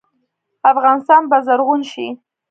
افغانستان به زرغون شي؟